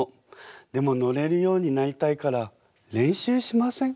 でも乗れるようになりたいから練習しません？